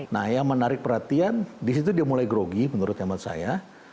nah yang menarik perhatian di situ dia mulai grogi menurut nyaman saya